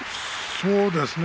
そうですね